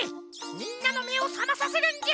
みんなのめをさまさせるんじゃ！